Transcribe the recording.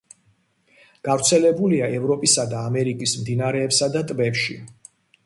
გავრცელებულია ევროპისა და ამერიკის მდინარეებსა და ტბებში.